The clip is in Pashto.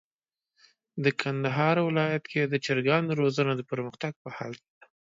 د کندهار ولايت کي د چرګانو روزنه د پرمختګ په حال کي ده.